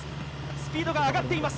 スピードが上がっています。